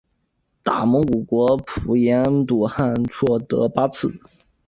大蒙古国普颜笃汗硕德八剌。